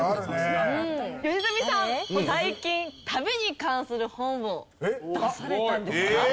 最近旅に関する本を出されたんですか？